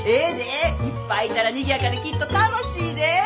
いっぱいいたらにぎやかできっと楽しいで。